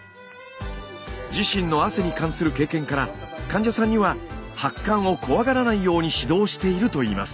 自身の汗に関する経験から患者さんには発汗を怖がらないように指導しているといいます。